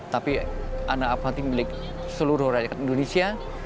tapi anak avanti milik seluruh rakyat indonesia